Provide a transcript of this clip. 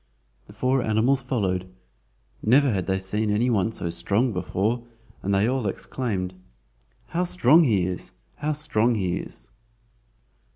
The four animals followed. Never had they seen any one so strong before, and they all exclaimed: "How strong he is! how strong he is!"